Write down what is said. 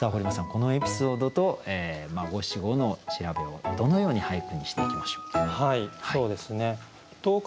このエピソードと五七五の調べをどのように俳句にしていきましょう？